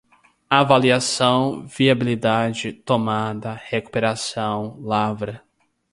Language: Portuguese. avaliação, viabilidade, tomada, recuperação, lavra